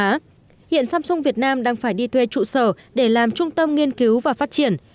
hiện samsung việt nam đang phải đi thuê trụ sở để làm trung tâm nghiên cứu và phát triển